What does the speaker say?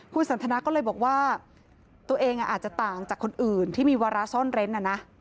คุณสันทนาก็เลยบอกว่าตัวเองอาจจะต่างจากคนอื่นที่มีวาระซ่อนเร้น